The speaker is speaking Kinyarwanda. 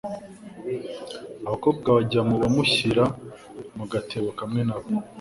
abakobwa bajya bamushyira mu gatebo kamwe na bo.